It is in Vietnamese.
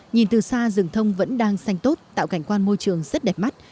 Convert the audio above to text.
nhìn từ xa rừng thông vẫn đang xanh tốt tạo cảnh quan môi trường rất đẹp mắt